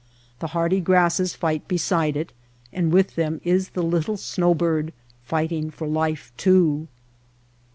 The hardy grasses fight beside it, and with them is the little snow bird, fighting for life too.